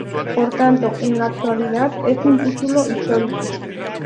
Por tanto, en la actualidad es un título histórico.